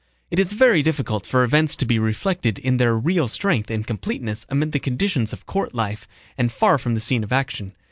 It is very difficult for events to be reflected in their real strength and completeness amid the conditions of court life and far from the scene of action.